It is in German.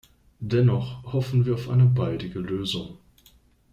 Dennoch hoffen wir auf eine baldige Lösung.